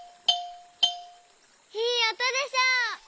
いいおとでしょ！